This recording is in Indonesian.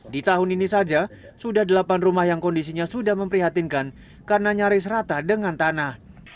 di tahun ini saja sudah delapan rumah yang kondisinya sudah memprihatinkan karena nyaris rata dengan tanah